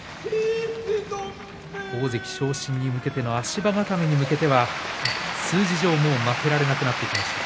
大関昇進に向けての足場固めに向けては数字上もう負けられなくなりました